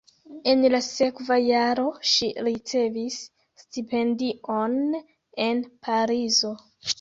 En la sekva jaro ŝi ricevis stipendion en Parizo.